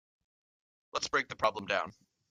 Let's break the problem down.